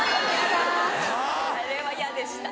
あれは嫌でした。